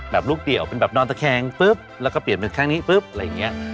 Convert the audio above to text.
ลูกเดี่ยวเป็นแบบนอนตะแคงปุ๊บแล้วก็เปลี่ยนเป็นครั้งนี้ปุ๊บอะไรอย่างนี้